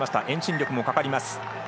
遠心力もかかります。